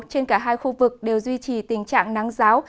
trên cả hai khu vực đều duy trì tình trạng nắng giáo